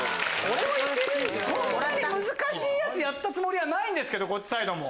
そんなに難しいやつやったつもりないんですけどこっちサイドも。